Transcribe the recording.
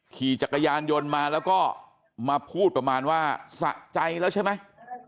ขี่จักรยานยนต์มาแล้วก็มาพูดประมาณว่าสะใจแล้วใช่ไหม